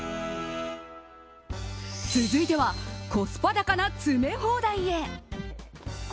続いてはコスパ高な詰め放題へ。